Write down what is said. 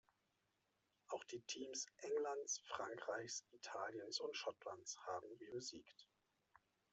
Auch die Teams Englands, Frankreichs, Italiens und Schottlands haben wir besiegt.